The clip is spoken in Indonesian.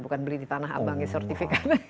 bukan beli di tanah abangnya sertifikat